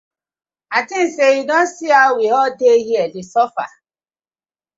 I tink say yu don see how we all dey here dey suffer.